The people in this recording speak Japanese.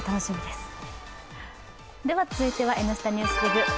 続いては「Ｎスタ・ＮＥＷＳＤＩＧ」